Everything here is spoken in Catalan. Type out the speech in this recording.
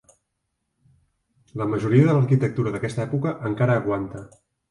La majoria de l'arquitectura d'aquesta època encara aguanta.